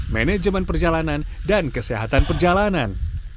manajemen perjalanan dan kesehatan perjalanan